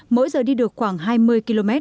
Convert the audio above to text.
mỗi giờ đi được khoảng hai mươi km